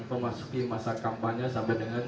memasuki masa kampanye sampai dengan